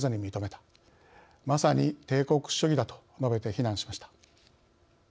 まさに帝国主義だ」と述べて非難しました。